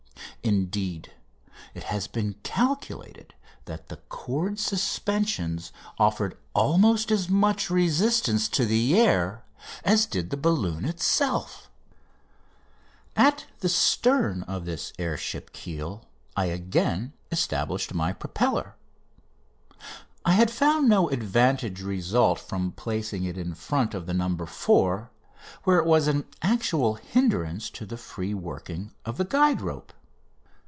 Indeed, it has been calculated that the cord suspensions offered almost as much resistance to the air as did the balloon itself. [Illustration: "No. 4." FLIGHT BEFORE PROFESSOR LANGLEY] At the stern of this air ship keel I again established my propeller. I had found no advantage result from placing it in front of the "No. 4," where it was an actual hindrance to the free working of the guide rope.